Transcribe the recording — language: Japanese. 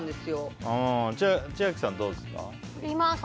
千秋さん、どうですか？